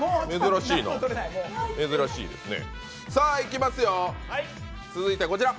珍しいですね。